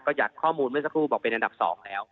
ก็จากข้อมูลเมื่อสักครู่บอกเป็นอันดับ๒แล้ว